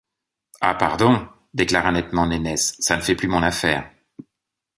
Ah! pardon, déclara nettement Nénesse, ça ne fait plus mon affaire...